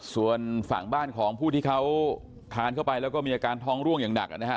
ส่วนฝั่งบ้านของผู้ที่เขาทานเข้าไปแล้วก็มีอาการท้องร่วงอย่างหนักนะครับ